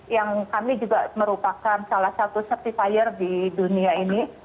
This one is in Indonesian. yang kami juga merupakan salah satu certifier di dunia ini